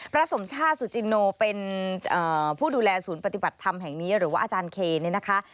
สมชาติสุจินโนเป็นผู้ดูแลศูนย์ปฏิบัติธรรมแห่งนี้หรือว่าอาจารย์เคนเนี่ยนะคะ